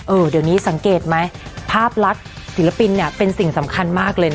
เดี๋ยวนี้สังเกตไหมภาพลักษณ์ศิลปินเนี่ยเป็นสิ่งสำคัญมากเลยนะ